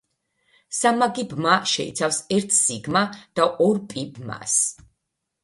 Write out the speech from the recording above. სამმაგი ბმა შეიცავს ერთ სიგმა– და ორ პი–ბმას.